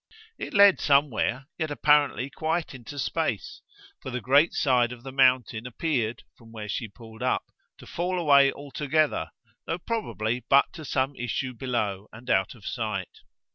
It led somewhere, yet apparently quite into space, for the great side of the mountain appeared, from where she pulled up, to fall away altogether, though probably but to some issue below and out of sight.